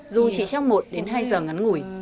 dù chỉ trong một đến hai giờ ngắn ngủi